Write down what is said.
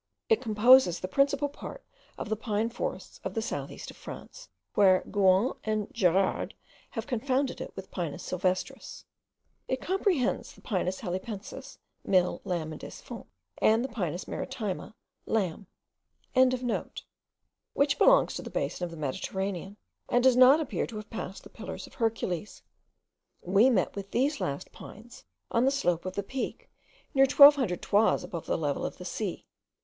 It composes the principal part of the pine forests of the south east of France, where Gouan and Gerard have confounded it with the Pinus sylvestris. It comprehends the Pinus halepensis, Mill., Lamb., and Desfont., and the Pinus maritima, Lamb.) which belongs to the basin of the Mediterranean, and does not appear to have passed the Pillars of Hercules. We met with these last pines on the slope of the Peak, near twelve hundred toises above the level of the sea.